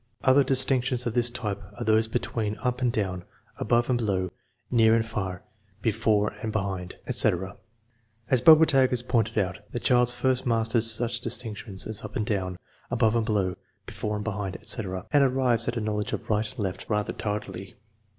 Other distinctions of this type are those between up and down, above and below, near and far, before and behind, 176 THE MEASUREMENT OF INTELLIGENCE etc. As Bobertag has pointed out, the child first masters such distinctions as up and down, above and below, before and behind, etc., and arrives at a knowledge of right and left rather tardily.